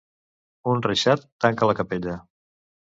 Un reixat tanca la capella.